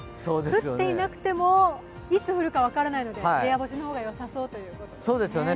降っていなくても、いつ降るか分からないので、部屋干しの方がよさそうということですね。